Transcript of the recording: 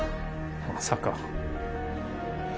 まさか。